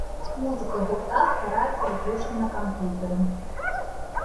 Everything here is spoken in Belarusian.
Музыка гурта ствараецца выключна на камп'ютары.